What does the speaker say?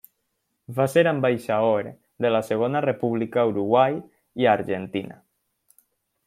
Va ser ambaixador de la Segona República a Uruguai i a Argentina.